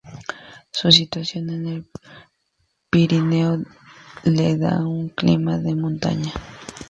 Su situación en el Pirineo le da un clima de montaña.